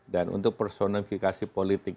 dan untuk personifikasi politik